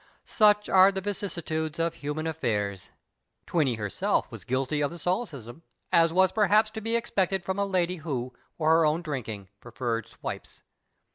Such are the vicissitudes of human affairs. Tweeny herself was guilty of the solecism, as was perhaps to be expected from a lady who, for her own drinking, preferred swipes.